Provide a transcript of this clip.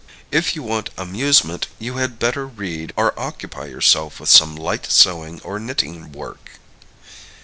If you want amusement, you had better read or occupy yourself with some light sewing or knitting work.